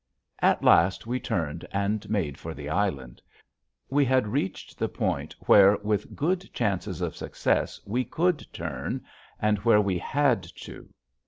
At last we turned and made for the island. We had reached the point where with good chances of success we could turn, and where we had to.